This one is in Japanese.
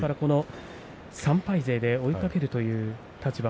３敗勢で追いかけるという立場